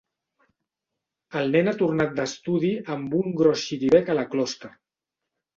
El nen ha tornat d'estudi amb un gros xiribec a la closca.